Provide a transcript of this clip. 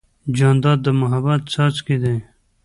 جانداد د محبت څاڅکی دی.